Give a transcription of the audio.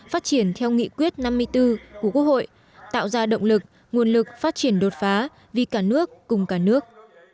phát triển theo nghị quyết năm mươi bốn của quốc hội tạo ra động lực nguồn lực phát triển đột phá vì cả nước cùng cả nước